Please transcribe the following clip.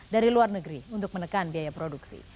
dari luar negeri untuk menekan biaya produksi